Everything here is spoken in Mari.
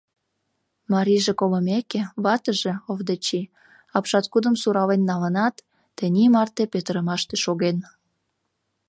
Марийже колымеке, ватыже, Овдачи, апшаткудым сурален налынат, тений марте петырымаште шоген.